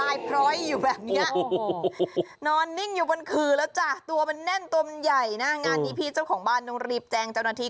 ไอ้ตัวนี้ใหญ่มากใหญ่มากแล้วนอนลายพร้อยอยู่แบบนี้